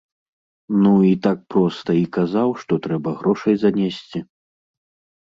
Ну, і так проста і казаў, што трэба грошай занесці.